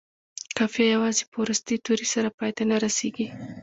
قافیه یوازې په وروستي توري سره پای ته نه رسيږي.